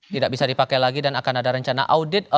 tidak bisa dipakai lagi dan akan ada rencana audit